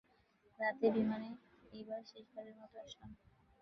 রাতের বিমানে এবারই শেষবারের মতো আসলাম।